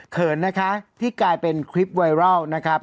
เขินนะคะที่กลายเป็นคลิปไวรัลนะครับ